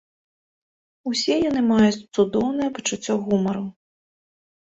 Усе яны маюць цудоўнае пачуццё гумару.